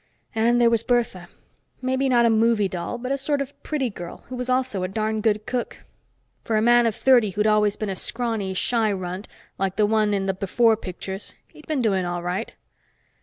And there was Bertha maybe not a movie doll, but a sort of pretty girl who was also a darned good cook. For a man of thirty who'd always been a scrawny, shy runt like the one in the "before" pictures, he'd been doing all right.